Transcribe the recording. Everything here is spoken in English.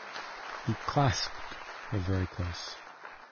He clasped her very close.